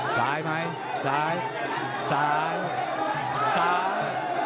สายไหมสายสายสาย